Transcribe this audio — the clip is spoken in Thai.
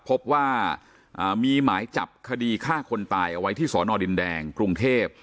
พบว่ามีหมายจับคดีฆ่าคนตายเอาไว้ที่สอนอดินแดงกรุงเทพ